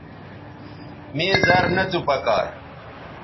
مے زر نہ تو پکار